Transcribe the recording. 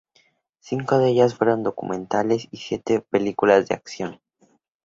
Cinco de ellas fueron documentales y siete películas de ficción.